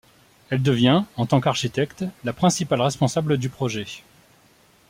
Elle devient, en tant qu’architecte, la principale responsable du projet.